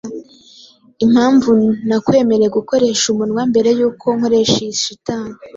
Impamvu nakwemereye gukoresha umunwa mbere yuko nkoresha iyi shitani